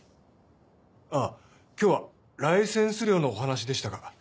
あぁ今日はライセンス料のお話でしたか。